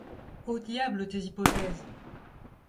Au diable tes hypothèses !